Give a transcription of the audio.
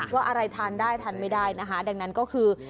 ว่าอะไรทานได้ทานไม่ได้นะคะดังนั้นก็คือ